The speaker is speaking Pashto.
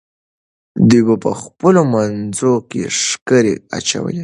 دوی په خپلو منځو کې ښکرې اچوي.